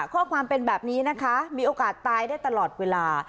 ข้อความเป็นแบบนี้นะคะมีโอกาสตายได้ตลอดเวลา